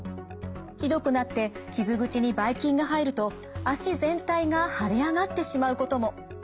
ひどくなって傷口にばい菌が入ると足全体が腫れ上がってしまうことも。